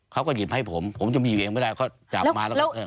เขาก็หยิบให้ผมผมจะมีอยู่เองไม่ได้เขาจับมาแล้วก็เออ